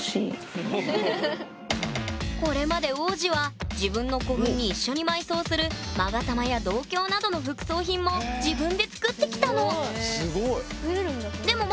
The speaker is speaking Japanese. これまで王子は自分の古墳に一緒に埋葬する勾玉や銅鏡などの副葬品も自分で作ってきたの！